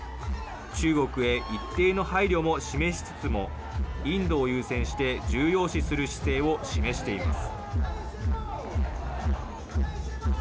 中国へ一定の配慮も示しつつも、インドを優先して重要視する姿勢を示しています。